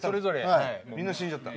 みんな死んじゃった？